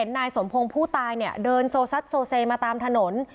นายสมพงศ์ผู้ตายเนี่ยเดินโซซัดโซเซมาตามถนน